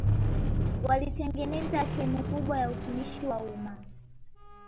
Walitengeneza sehemu kubwa ya utumishi wa umma